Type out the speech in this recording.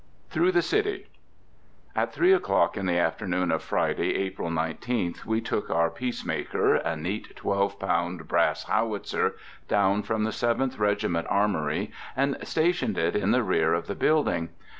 THROUGH THE CITY. At three o'clock in the afternoon of Friday, April 19th, we took our peacemaker, a neat twelve pound brass howitzer, down from the Seventh Regiment Armory, and stationed it in the rear of the building.